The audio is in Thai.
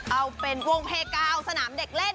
เอาเป็นวงเพกาวสนามเด็กเล่น